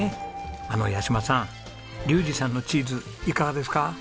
あの八島さん竜士さんのチーズいかがですか？